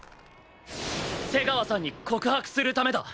瀬川さんに告白するためだ！